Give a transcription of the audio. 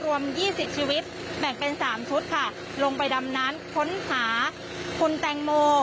ยี่สิบชีวิตแบ่งเป็นสามชุดค่ะลงไปดำน้ำค้นหาคุณแตงโม